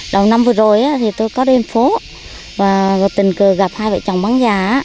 đầu năm vừa rồi thì tôi có đến phố và tình cờ gặp hai vợ chồng bán gà